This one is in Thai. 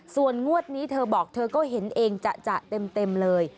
ส่วนงวดนี้เธอบอกเธอก็เห็นเองจะเต็มเลย